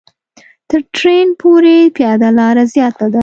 تر ټرېن پورې پیاده لاره زیاته ده.